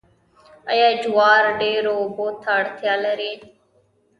آیا جوار ډیرو اوبو ته اړتیا لري؟